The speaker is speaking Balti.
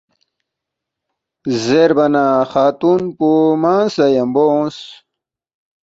زیربا نہ خاتون پو مانگ سہ ن٘یمبو اونگس